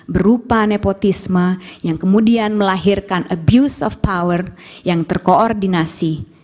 berupa nepotisme yang kemudian melahirkan abuse of power yang terkoordinasi